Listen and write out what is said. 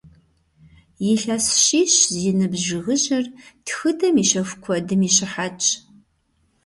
Илъэс щищ зи ныбжь жыгыжьыр тхыдэм и щэху куэдым и щыхьэтщ.